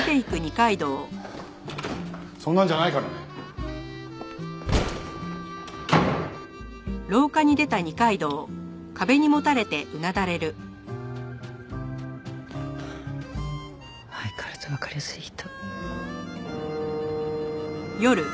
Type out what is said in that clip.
そんなんじゃないからね！はあ相変わらずわかりやすい人。